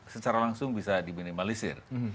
secara langsung bisa diminimalisir